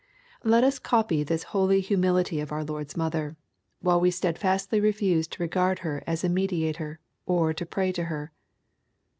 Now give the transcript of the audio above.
Let us copy this holy humility of our Lord's mother, while we steadfastly refuse to regard her as a mediator, or to pray to her.